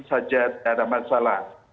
saja tidak ada masalah